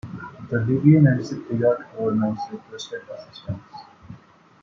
The Libyan and Cypriot governments requested assistance.